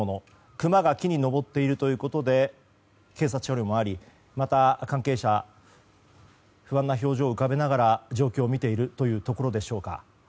クマが木に上っているということで警察車両もありまた関係者不安な表情を浮かべながら状況を見ているというところでしょうか。